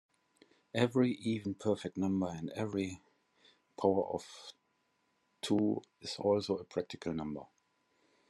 Every even perfect number and every power of two is also a practical number.